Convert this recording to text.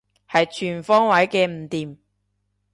係全方位嘅唔掂